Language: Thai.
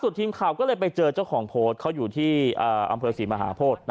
สุดที่ข่าวก็เลยไปเจอเจ้าของโพกเขายังอยู่ที่อำสมสีมหาโพศ